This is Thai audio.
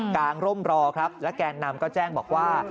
งร่มรอครับและแกนนำก็แจ้งบอกว่า